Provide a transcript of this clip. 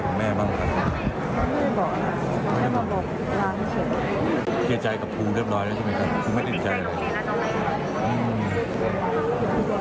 แต่วันเกิดเหตุแล้วน้องไม่ทะบายใช่ไหมครับ